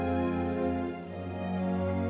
aku tak tahu kenapa